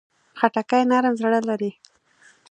خټکی نرم زړه لري.